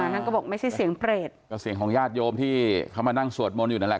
นั่นก็บอกไม่ใช่เสียงเปรตก็เสียงของญาติโยมที่เขามานั่งสวดมนต์อยู่นั่นแหละ